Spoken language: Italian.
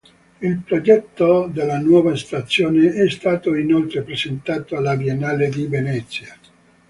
Il progetto della nuova stazione è stato inoltre presentato alla Biennale di Venezia.